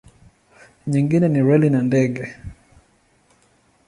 Nyingine ni reli na ndege.